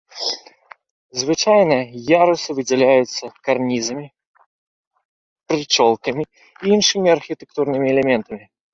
Звычайна ярусы выдзяляюцца карнізамі, прычолкамі і іншымі архітэктурнымі элементамі.